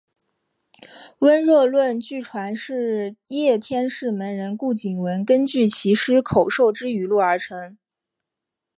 温热论据传是叶天士门人顾景文根据其师口授之语录而成。